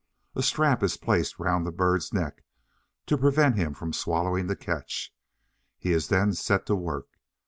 A strap is placed round the bird's neck to prevent him from swallowing the catch. He is then set to work.